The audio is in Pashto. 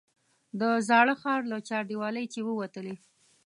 د زاړه ښار له چاردیوالۍ چې ووتلې.